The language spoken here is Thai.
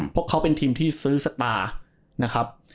พวกเขาเป็นทีมที่ซื้อสตาร์นะครับ